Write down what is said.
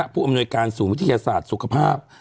ผู้อำนวยการศูนย์วิทยาศาสตร์สุขภาพ